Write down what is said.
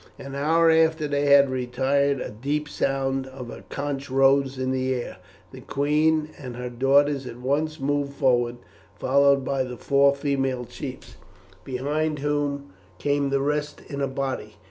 An hour after they had retired a deep sound of a conch rose in the air. The queen and her daughters at once moved forward, followed by the four female chiefs, behind whom came the rest in a body.